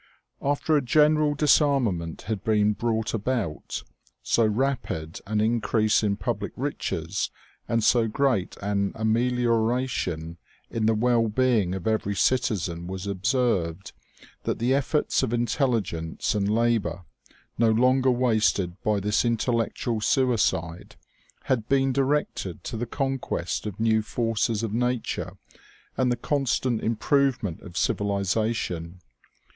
After a gen eral disarmament had been brought about, so rapid an in crease in public riches and so great an amelioration in the well being of every citizen was observed, that the efforts of intelligence and labor, no longer wasted by this intel lectual suicide, had been directed to the conquest of new forces of nature and the constant improvement of civili 217 2i8 OMEGA. zation.